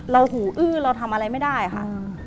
หูอื้อเราทำอะไรไม่ได้ค่ะ